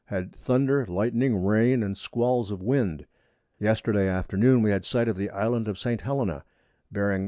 _] had Thunder, Lightning, Rain, and Squalls of Wind. Yesterday Afternoon we had sight of the Island St. Hellena, bearing N.